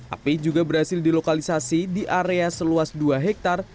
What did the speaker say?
api juga berhasil dilokalisasi di area seluas dua hektare